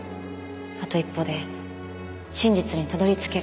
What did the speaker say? あと一歩で真実にたどりつけるから。